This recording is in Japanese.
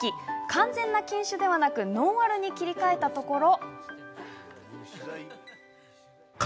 完全な禁酒ではなくノンアルに切り替えたところ。